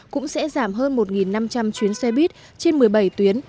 cũng sẽ giảm hơn một năm trăm linh chuyến xe buýt trên một mươi bảy tuyến